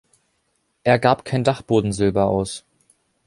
Er gab kein Dachbodensilber aus.